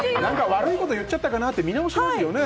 悪いこと言っちゃったかなって見直しますよね。